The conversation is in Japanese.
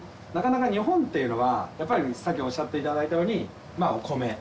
なかなか日本っていうのはやっぱりさっきおっしゃっていただいたようにまぁお米。